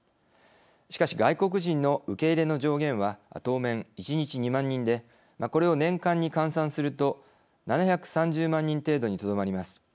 しかし外国人の受け入れの上限は当面、１日２万人でこれを年間に換算すると７３０万人程度にとどまります。